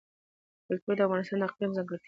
کلتور د افغانستان د اقلیم ځانګړتیا ده.